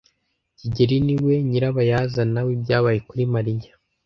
kigeli niwe nyirabayazana w'ibyabaye kuri Mariya.